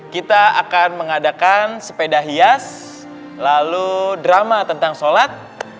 kita akan mengadakan sepeda hias lalu drama tentang sholat